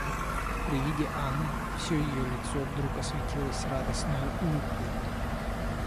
При виде Анны всё ее лицо вдруг осветилось радостною улыбкой.